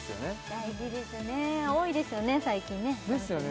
大事ですね多いですよね